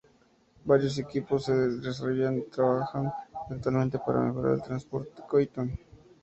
Varios equipos de desarrollo trabajan actualmente para mejorar "Transport Tycoon".